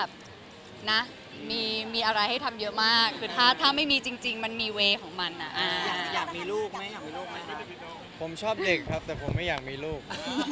ผมชอบเด็กครับแต่ผมไม่อยากมีลูก